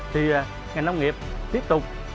thì ngành nông nghiệp tiếp tục